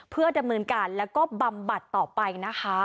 เพื่อดำเนินการแล้วก็บำบัดต่อไปนะคะ